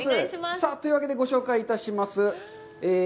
というわけでご紹介いたします。